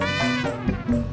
ya saya lagi konsentrasi